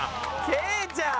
ケイちゃん。